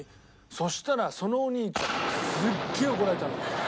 そしたらそのお兄ちゃんにすっげえ怒られたの。